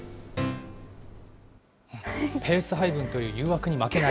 ペース配分という誘惑に負けない。